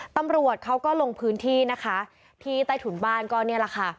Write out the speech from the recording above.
ตำรวจเขาก็ลงพื้นที่นะคะที่ใต้ถุนบ้านก็นี่แหละค่ะ